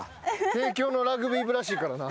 帝京のラグビー部らしいからな